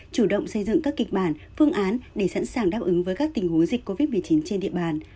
chủ động xây dựng các kịch bản phương án để sẵn sàng đáp ứng với các tình huống dịch covid một mươi chín trên địa bàn